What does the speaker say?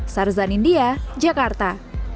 sarzan india jakarta